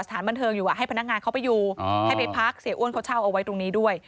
สถานบันเทิงอยู่ให้พนักงานเขาไปอยู่ให้ไปพักเสียอ้วนเขาเช่าเอาไว้ตรงนี้ด้วย